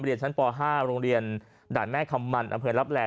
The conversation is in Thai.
เรียนชั้นป๕โรงเรียนด่านแม่คำมันอเผยรับแหล่